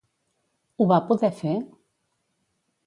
Ho va poder fer?